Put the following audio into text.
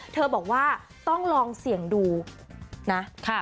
เธอบอกว่าต้องลองเสี่ยงดูนะ